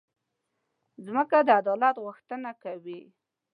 مځکه د عدالت غوښتنه کوي.